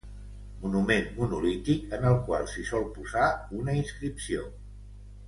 Monument monolític en el qual s'hi sol posar una inscripció.